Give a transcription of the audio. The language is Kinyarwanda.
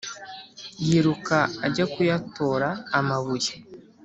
Yiruka ajya kuyatora amabuye